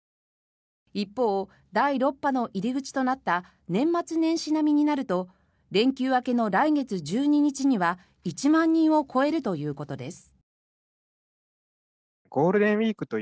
一方、第６波の入り口となった年末年始並みになると連休明けの来月１２日には１万人を超えるということです。